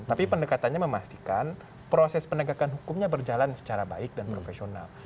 tapi pendekatannya memastikan proses penegakan hukumnya berjalan secara baik dan profesional